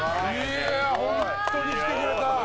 本当に来てくれた。